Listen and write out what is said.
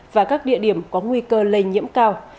và các địa điểm có nguy cơ lây nhiễm cao